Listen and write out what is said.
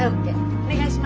お願いします。